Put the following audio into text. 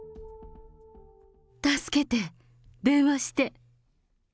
助けて、電話して。